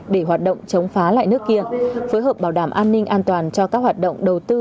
để hoạt động chống phá lại nước kia phối hợp bảo đảm an ninh an toàn cho các hoạt động đầu tư